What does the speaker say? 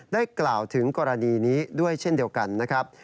ได้กล่าวถึงกรณีนี้ด้วยเช่นเดียวกันนะครับ